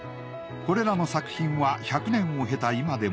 これらの作品は１００年を経た今でも